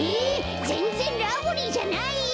ぜんぜんラブリーじゃないよ。